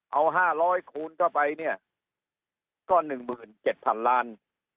เอาห้าร้อยคูณเข้าไปเนี่ยก็หนึ่งหมื่นเจ็ดพันล้าน